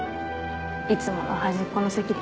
いつもの端っこの席で。